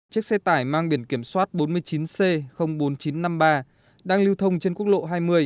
chiếc xe tải mang biển kiểm soát bốn mươi chín c bốn nghìn chín trăm năm mươi ba đang lưu thông trên quốc lộ hai mươi